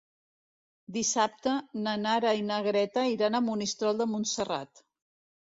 Dissabte na Nara i na Greta iran a Monistrol de Montserrat.